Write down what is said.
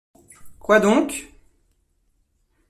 Quoi donc?